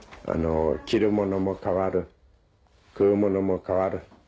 着るものも変わる食うものも変わる。